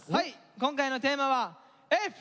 今回のテーマはＦ！